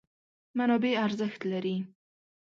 منابع ارزښت لري.